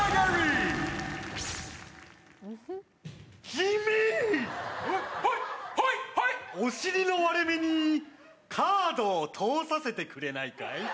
君、お尻の割れ目にカードを通させてくれないかい？